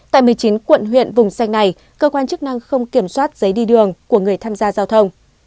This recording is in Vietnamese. tại một mươi chín quận huyện vùng xanh này cơ quan chức năng không kiểm soát giấy đi đường của người tham gia giao thông